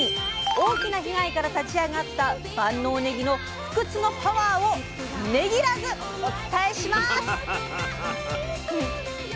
大きな被害から立ち上がった万能ねぎの不屈のパワーを「ねぎ」らずお伝えします！